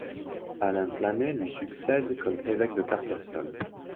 Alain Planet lui succède comme évêque de Carcassonne.